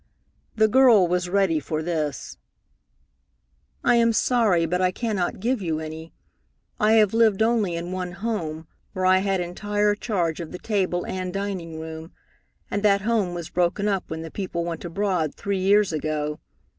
The girl was ready for this. "I am sorry, but I cannot give you any. I have lived only in one home, where I had entire charge of the table and dining room, and that home was broken up when the people went abroad three years ago.